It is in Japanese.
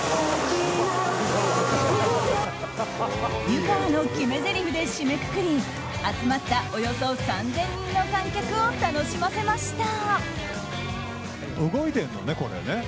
湯川の決めぜりふで締めくくり集まった、およそ３０００人の観客を楽しませました。